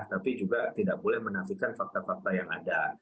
tapi juga tidak boleh menafikan fakta fakta yang ada